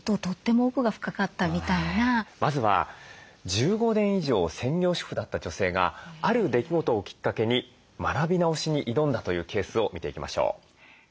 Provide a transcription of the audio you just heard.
まずは１５年以上専業主婦だった女性がある出来事をきっかけに学び直しに挑んだというケースを見ていきましょう。